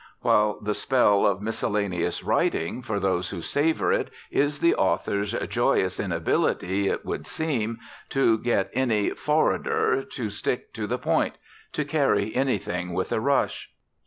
While the spell of miscellaneous writing, for those who savour it, is the author's joyous inability, it would seem, to get any "forrader," to stick to the point, to carry anything with a rush.